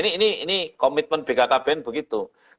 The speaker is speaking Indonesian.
ini komitmen bkkbn begitu